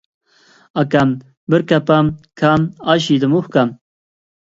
ئاكام بىر كاپام كام ئاش يېدىمۇ ئۇكام؟